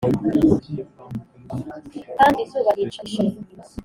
kandi izuba ryica ishashi,